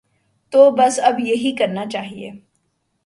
تو بس اب یہی کرنا چاہیے۔